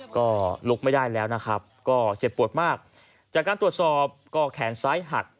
ก็ลุกไม่ได้แล้วนะครับก็เจ็บปวดมากจากการตรวจสอบก็แขนซ้ายหัก